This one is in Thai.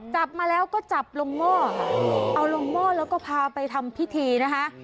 จับมาแล้วก็จับลงหม้อค่ะเอาลงหม้อแล้วก็พาไปทำพิธีนะคะ